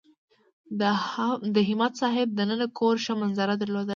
د همت صاحب دننه کور ښه منظره درلوده.